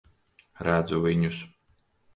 Redzu viņus.